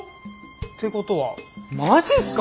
てことはマジすか。